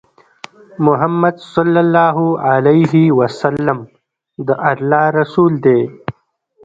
محمد صلی الله عليه وسلم د الله رسول دی